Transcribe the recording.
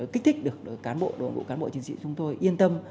kích thích được cán bộ đồng vụ cán bộ chiến sĩ chúng tôi yên tâm